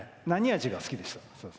何味が好きでした？